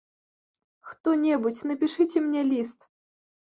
Хто-небудзь, напішыце мне ліст!